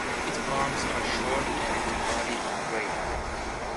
Its arms are short and its body grey.